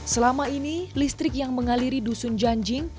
selama ini listrik yang mengaliri dusun janjing